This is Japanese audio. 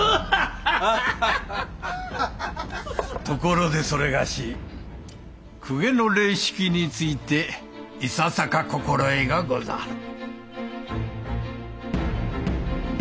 ところでそれがし公家の礼式についていささか心得がござる。